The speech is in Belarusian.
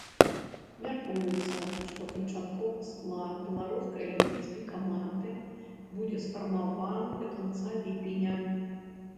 Мяркуецца, што канчатковы склад беларускай алімпійскай каманды будзе сфармаваны да канца ліпеня.